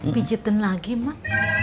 pijetin lagi mak